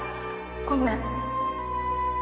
ごめん。